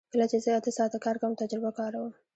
کله چې زه اته ساعته کار کوم تجربه کاروم